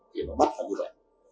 thì nó mất ra như vậy